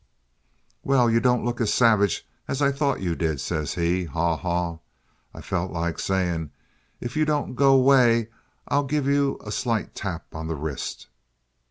"'Well, you don't look as savage as I thought you did,' says he. Haw haw! I felt like sayin', 'If you don't go way I'll give you a slight tap on the wrist.